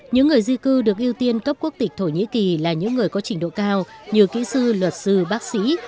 những người di cư được ưu tiên cấp quốc tịch thổ nhĩ kỳ là những người có trình độ cao như kỹ sư luật sư bác sĩ